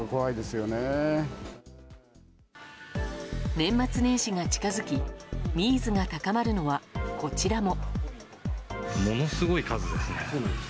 年末年始が近づきニーズが高まるのはこちらも。